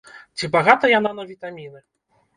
Ці багата яна на вітаміны?